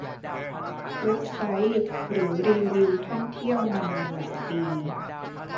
เว็บไซต์ หรือรีวิวท่องเที่ยวมานานหลายปี